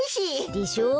でしょ？